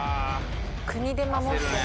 国で守ってる。